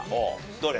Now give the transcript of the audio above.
どれ？